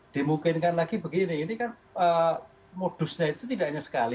dimungkinkan lagi begini ini kan modusnya itu tidak hanya sekali